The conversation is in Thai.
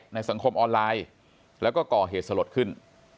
ในสังคมออนไลน์แล้วก็ก่อเหตุสลดขึ้น